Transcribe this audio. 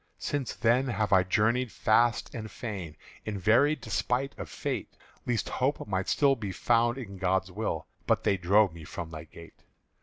"Since then have I journeyed fast and fain In very despite of Fate, Lest Hope might still be found in God's will: But they drove me from thy gate.